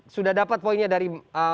sudah dapat poinnya dari